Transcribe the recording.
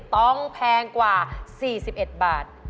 แพงกว่า๔๑บาท